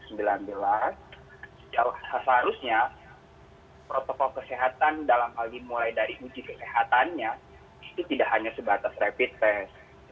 seharusnya protokol kesehatan dalam hal ini mulai dari uji kesehatannya itu tidak hanya sebatas rapid test